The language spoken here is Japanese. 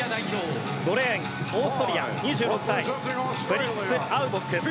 ５レーンオーストリア、２６歳フェリックス・アウボック。